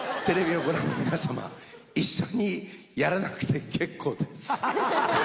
テレビをご覧の皆様一緒にやらなくて結構です。